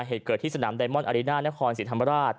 เหตุเกิดที่สนามไดมอนอารีน่านครศรีธรรมราช